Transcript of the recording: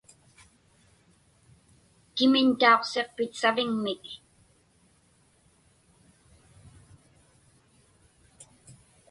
Kimiñ tauqsiqpit saviŋmik?